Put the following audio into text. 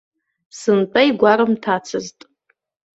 Сынтәа игәарымҭацызт.